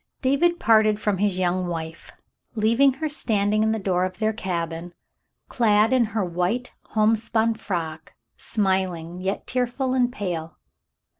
David parted from his young wife, leaving her standing in the door of their cabin, clad in her white homespun frock, smiling, yet tearful and pale.